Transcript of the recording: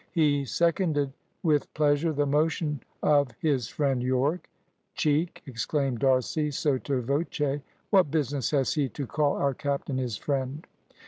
He seconded with pleasure the motion of "his friend Yorke," ("Cheek!" exclaimed D'Arcy, sotto voce; "what business has he to call our captain his friend!")